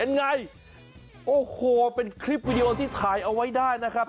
เป็นไงโอ้โหเป็นคลิปวิดีโอที่ถ่ายเอาไว้ได้นะครับ